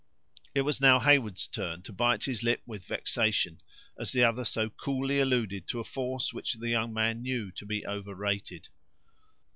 It was now Heyward's turn to bite his lip with vexation as the other so coolly alluded to a force which the young man knew to be overrated.